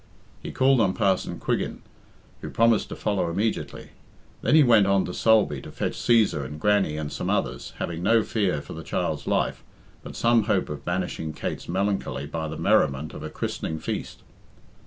He called on Parson Quiggin, who promised to follow immediately. Then he went on to Sulby to fetch Cæsar and Grannie and some others, having no fear for the child's life, but some hope of banishing Kate's melancholy by the merriment of a christening feast.